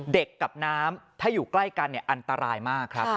กับน้ำถ้าอยู่ใกล้กันอันตรายมากครับ